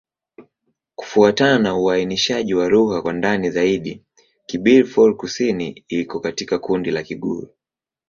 Kufuatana na uainishaji wa lugha kwa ndani zaidi, Kibirifor-Kusini iko katika kundi la Kigur.